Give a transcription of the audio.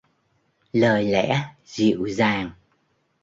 Lời lẽ dịu dàng